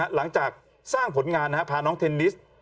หลังจากสร้างผลงานพาน้องเทนนิส